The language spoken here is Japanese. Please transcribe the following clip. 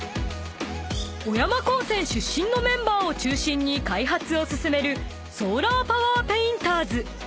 ［小山高専出身のメンバーを中心に開発を進めるソーラーパワーペインターズ］